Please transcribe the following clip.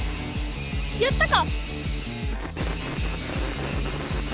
やったか？